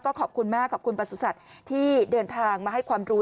ขอบคุณมากขอบคุณประสุทธิ์ที่เดินทางมาให้ความรู้